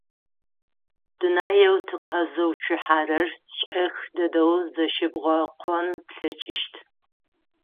Дунаеу тыкъэзыуцухьэрэр шӏэх дэдэу зэщыбгъэкъон плъэкӏыщт.